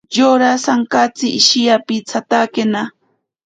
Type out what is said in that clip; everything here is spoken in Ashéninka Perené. Yora sankatsi ishiyapitsatakena.